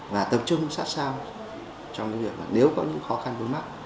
và tập trung sát sao trong việc nếu có những khó khăn bối mắt